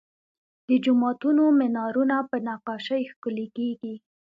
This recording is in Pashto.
د جوماتونو مینارونه په نقاشۍ ښکلي کیږي.